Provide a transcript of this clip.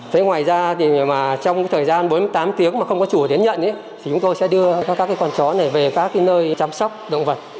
thế ngoài ra thì trong cái thời gian bốn mươi tám tiếng mà không có chủ đến nhận thì chúng tôi sẽ đưa cho các con chó này về các nơi chăm sóc động vật